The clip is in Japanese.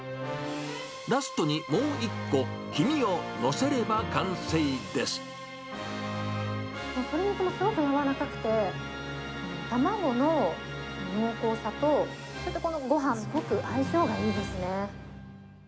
ラストにもう１個、鶏肉もすごく柔らかくて、卵の濃厚さと、それとかごはんとすごく相性がいいですね。